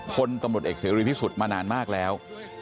คนตำรวจเอกเสียดีที่สุดมานานมากแล้ว